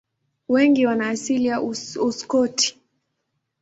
Wengi wana asili ya Uskoti.